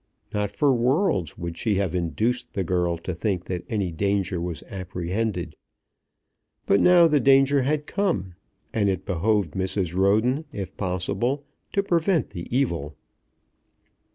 Not for worlds would she have induced the girl to think that any danger was apprehended. But now the danger had come, and it behoved Mrs. Roden if possible to prevent the evil.